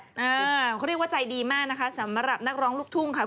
เขาเรียกว่าใจดีมากนะคะสำหรับนักร้องลูกทุ่งค่ะ